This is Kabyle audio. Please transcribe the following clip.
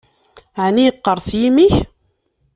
Ɛni yeqqers yimi-k?